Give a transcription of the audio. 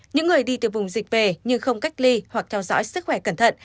những người đi từ vùng dịch về nhưng không cách ly hoặc theo dõi sức khỏe cẩn thận